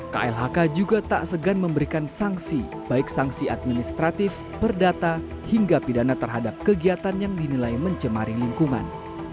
klhk juga tak segan memberikan sanksi baik sanksi administratif perdata hingga pidana terhadap kegiatan yang dinilai mencemari lingkungan